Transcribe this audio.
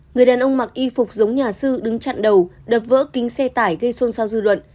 người đàn ông mặc y phục giống nhà sư đứng chặn đầu đập vỡ kính xe tải gây xôn xao dư luận